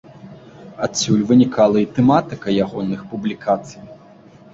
Адсюль вынікала і тэматыка ягоных публікацый.